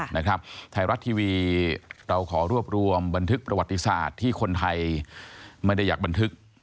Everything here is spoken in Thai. ไทยรัฐทีวีเราขอรวบรวมบันทึกประวัติศาสตร์ที่คนไทยไม่ได้อยากบันทึก